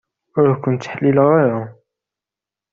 Ur ken-ttḥellileɣ ara.